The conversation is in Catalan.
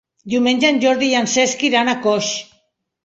Diumenge en Jordi i en Cesc iran a Coix.